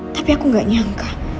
tapi aku gak nyangka